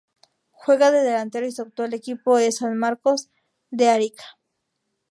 Juega de delantero y su actual equipo es San Marcos de Arica.